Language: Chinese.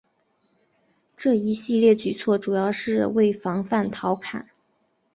这一系列举措主要是为防范陶侃。